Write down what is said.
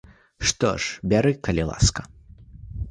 Што ж, бяры, калі ласка.